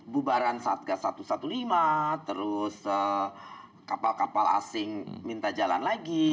bubaran satgas satu ratus lima belas terus kapal kapal asing minta jalan lagi